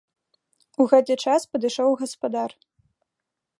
У гэты час падышоў гаспадар.